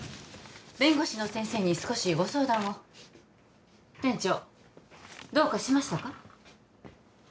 弁護士の先生に少しご相談を店長どうかしましたか？